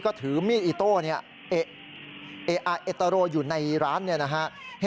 โทษทีโทษทีโทษทีโทษทีโทษที